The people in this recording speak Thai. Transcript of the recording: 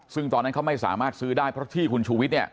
ซึ่งตอนนั้นเขาไม่สามารถซื้อได้เพราะที่คุณชูวิทย์เนี่ย